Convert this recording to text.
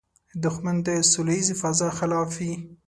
دښمن د سولیزې فضا خلاف وي